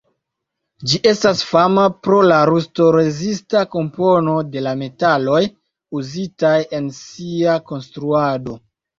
Ĝi estas fama pro la rusto-rezista kompono de la metaloj uzitaj en sia konstruado.